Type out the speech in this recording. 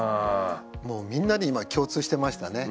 もうみんなに今共通してましたね。